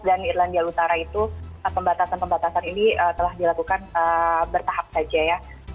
dan di irlanda utara itu pembatasan pembatasan ini telah dilakukan bertahap saja ya